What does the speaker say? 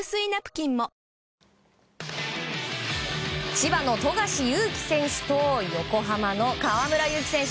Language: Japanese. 千葉の富樫勇樹選手と横浜の河村勇輝選手。